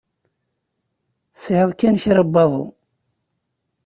Tesɛiḍ kan kra n waḍu.